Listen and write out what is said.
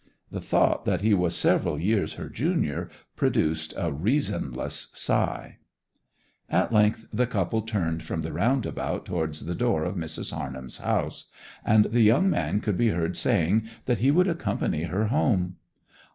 The thought that he was several years her junior produced a reasonless sigh. At length the couple turned from the roundabout towards the door of Mrs. Harnham's house, and the young man could be heard saying that he would accompany her home.